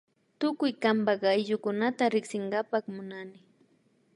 Tukuy kanpak ayllukunata riksinkapak munani